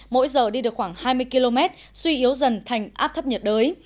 mỗi giờ đi được khoảng hai mươi km suy yếu dần thành áp thấp nhiệt đới